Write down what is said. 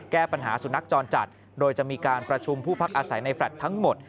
แก้ปัญหาสุนัขจรจัดโดยจะมีการประชุมผู้พักอาศัยในแฟลต์ทั้งหมด